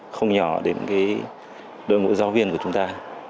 không nhỏ đến đội ngũ giáo viên của chúng ta